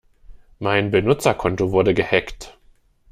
Mein Benutzerkonto wurde gehackt.